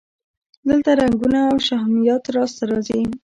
دلته رنګونه او شهمیات لاسته راځي.